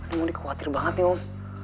emang dikhawatir banget ya om